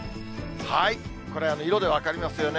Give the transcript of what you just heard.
これは色で分かりますよね。